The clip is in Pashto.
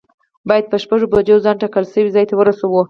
باید په شپږو بجو ځان ټاکل شوي ځای ته ورسوی.